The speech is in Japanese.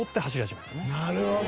なるほど！